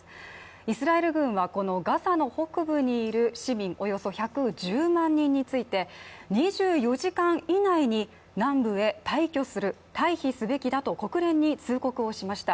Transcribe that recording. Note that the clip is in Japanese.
イスラエル軍はこのガザの北部にいる市民およそ１１０万人について２４時間以内に南部へ退避すべきだと国連に通告しました。